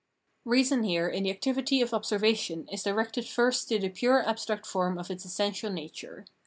Reason here in the activity of observation is directed first to the pure abstract form of its essential nature.